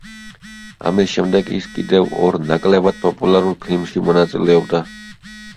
ამის შემდეგ ის კიდევ ორ ნაკლებად პოპულარულ ფილმში მონაწილეობდა.